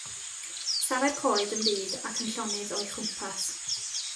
Safai'r coed yn fud ac yn llonydd o'i chwmpas.